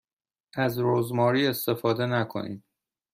از رزماری استفاده نکنید.